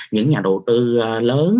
những nhà đầu tư lớn